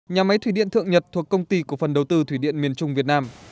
nhà máy thủy điện thượng nhật thuộc công ty cổ phần đầu tư thủy điện miền trung việt nam